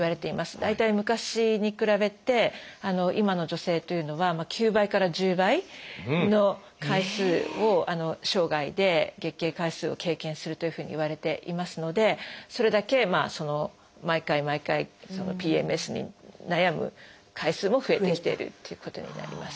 大体昔に比べて今の女性というのは９倍から１０倍の回数を生涯で月経回数を経験するというふうにいわれていますのでそれだけ毎回毎回ＰＭＳに悩む回数も増えてきているっていうことになります。